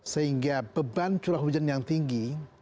sehingga beban curah hujan yang tinggi